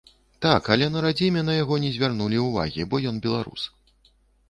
Так, але на радзіме на яго не звярнулі ўвагі, бо ён беларус.